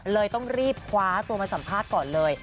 เลยต้องรีบคว้าตัวมาสัมภาษณ์ก่อนเลย